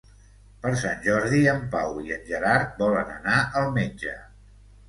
Per Sant Jordi en Pau i en Gerard volen anar al metge.